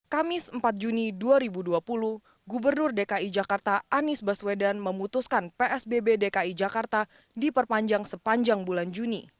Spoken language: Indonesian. kamis empat juni dua ribu dua puluh gubernur dki jakarta anies baswedan memutuskan psbb dki jakarta diperpanjang sepanjang bulan juni